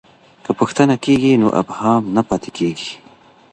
که پوښتنه کېږي نو ابهام نه پاته کېږي.